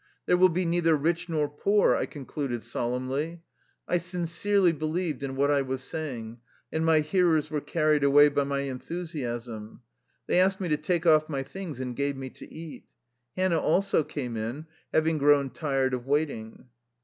" There will be neither rich nor poor !" I concluded solemnly. I sincerely be lieved in what I was saying, and my hearers were carried away by my enthusiasm. They asked me to take off my things, and gave me to eat. Hannah also came in, having grown tired of waiting.